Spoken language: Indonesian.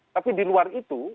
tapi di luar itu